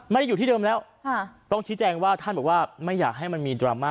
ไม่ได้อยู่ที่เดิมแล้วต้องชี้แจงว่าท่านบอกว่าไม่อยากให้มันมีดราม่า